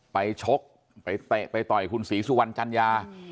ชกไปเตะไปต่อยคุณศรีสุวรรณจัญญา